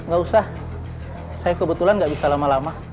gak usah saya kebetulan nggak bisa lama lama